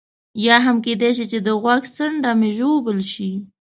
یا هم کېدای شي چې د غوږ څنډه مې ژوبل شي.